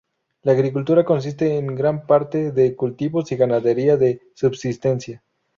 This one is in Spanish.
La agricultura consiste en gran parte de cultivos y ganadería de subsistencia.